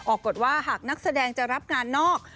กฎว่าหากนักแสดงจะรับงานนอก